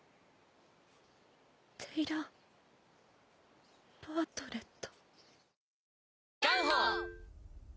「テイラー・バートレット」。